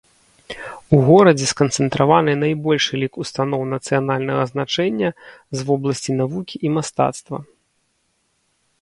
У горадзе сканцэнтраваны найбольшы лік устаноў нацыянальнага значэння з вобласці навукі і мастацтва.